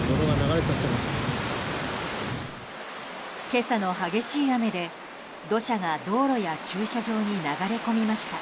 今朝の激しい雨で土砂が道路や駐車場に流れ込みました。